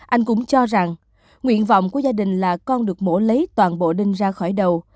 anh cũng cho rằng nguyện vọng của gia đình là con được mổ lấy toàn bộ đinh ra khỏi đầu